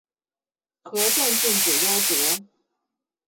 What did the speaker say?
和政郡主夭折。